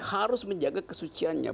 harus menjaga kesuciannya